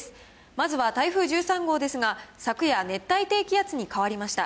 まずは台風１３号ですが、昨夜、熱帯低気圧に変わりました。